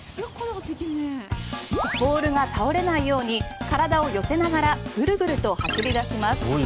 ボウルが倒れないように体を寄せながらぐるぐると走り出します。